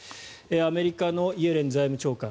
アメリカのイエレン財務長官